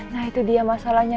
nah itu dia masalahnya